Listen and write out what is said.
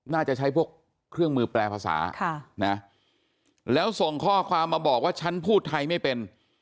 น่าจะใช้พวกเครื่องมือแปลภาษาแล้วส่งข้อความมาบอกว่าฉันพูดไทยไม่เป็น